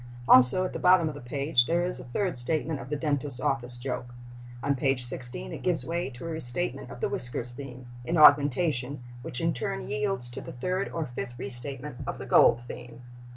Also, at the bottom of the page, there is a third statement of the dentist's office joke. On page 16 it gives way to a restatement of the whiskers theme, in augmentation, which in turn yields to the third or fifth restatement of the gold theme.